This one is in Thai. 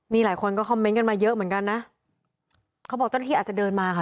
นี่หลายคนก็คอมเมนต์กันมาเยอะเหมือนกันนะเขาบอกเจ้าหน้าที่อาจจะเดินมาค่ะ